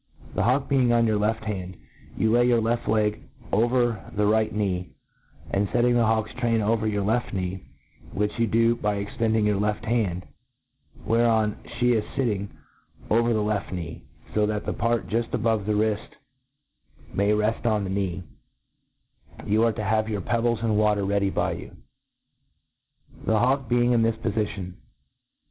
The hawk being on your left hand, you lay your left, leg oyer the right knee j and fctting the hawk's train over your left knee, which you dp by extending your left hand, whereon Ihe is fitting, over th^ left knee, lb that th<e part jufl: above the wrift may reft on the knee, you arc to hive your pebbles in water ready by you. The hawk being in this pofition